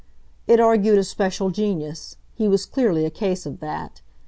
It argued a special genius; he was clearly a case of that.